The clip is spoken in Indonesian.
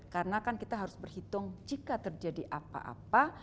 karena kan kita harus berhitung jika terjadi apa apa